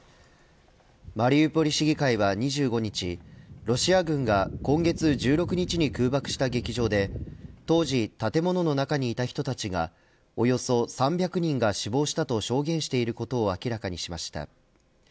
マリウポリ市議会は２５日ロシア軍が今月１６日に空爆した劇場で当時、建物の中にいた人たちがおよそ３００人が死亡したと証言していることを明らかにしました。